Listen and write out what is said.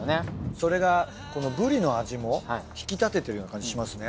それがこのブリの味も引き立ててるような感じしますね。